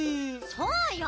そうよ！